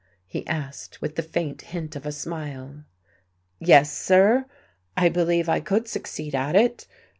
he asked, with the faint hint of a smile. "Yes, sir, I believe I could succeed at it.